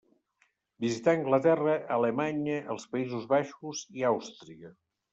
Visità Anglaterra, Alemanya, els Països Baixos i Àustria.